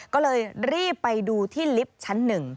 ก็เลยรีบไปดูที่ลิฟต์ชั้น๑